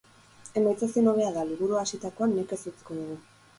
Emaitza ezin hobea da: liburua hasitakoan, nekez utziko dugu.